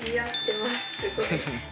すごい。